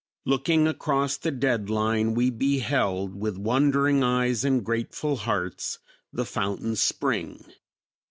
Looking across the dead line, we beheld with wondering eyes and grateful hearts the fountain spring.